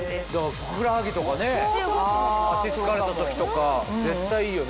ふくらはぎとかね脚疲れた時とか絶対いいよね。